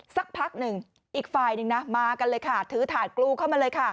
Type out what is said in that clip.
สักพักหนึ่งอีกฝ่ายหนึ่งนะมากันเลยค่ะถือถาดกรูเข้ามาเลยค่ะ